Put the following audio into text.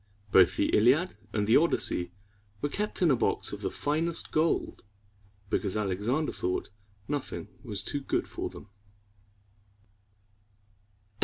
Both the Iliad and the Odyssey were kept in a box of the finest gold, because Alexander thought nothing was too good for them.